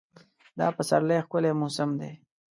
دا پسرلی ښکلی موسم دی.